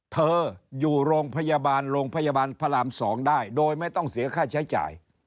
เธออยู่โรงพยาบาลโรงพยาบาลพระราม๒ได้โดยไม่ต้องเสียค่าใช้จ่าย